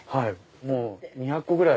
もう２００個ぐらい。